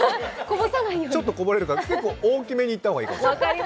ちょっとこぼれるから、結構大きめにいったほうがいいかもね。